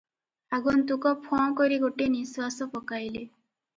ଆଗନ୍ତୁକ ଫଁ କରି ଗୋଟିଏ ନିଶ୍ୱାସ ପକାଇଲେ ।